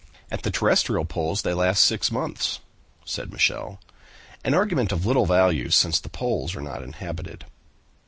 "At the terrestrial poles they last six months," said Michel. "An argument of little value, since the poles are not inhabited."